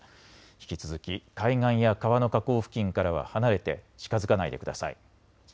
引き続き海岸や川の河口付近からは離れて近づかないでください。